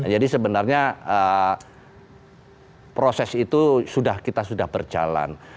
jadi sebenarnya proses itu sudah kita sudah berjalan